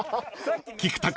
［菊田君